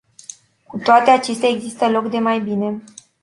Cu toate acestea, există loc de mai bine.